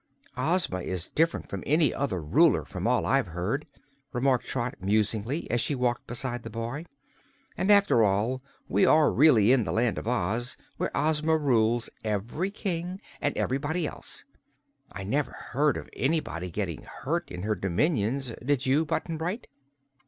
"Ozma is diff'rent from any other Ruler, from all I've heard," remarked Trot musingly, as she walked beside the boy. "And, after all, we are really in the Land of Oz, where Ozma rules ev'ry King and ev'rybody else. I never heard of anybody getting hurt in her dominions, did you, Button Bright?"